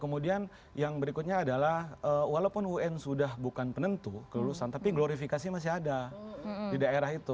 kemudian yang berikutnya adalah walaupun un sudah bukan penentu kelulusan tapi glorifikasinya masih ada di daerah itu